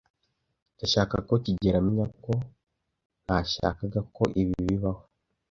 Ndashaka ko kigeli amenya ko ntashakaga ko ibi bibaho.